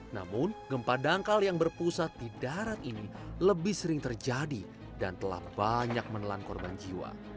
namun gempa dangkal yang berpusat di darat ini lebih sering terjadi dan telah banyak menelan korban jiwa